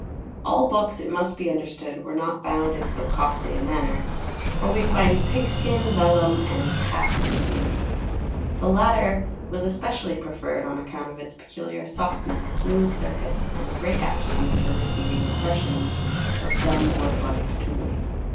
All books, it must be understood, were not bound in so costly a manner, for we find pigskin, vellum and calf in |xvi| use. The latter was especially preferred on account of its peculiar softness, smooth surface, and great aptitude for receiving impressions of dumb or blind tooling.